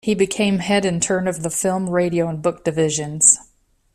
He became head in turn of the Film, Radio and Book divisions.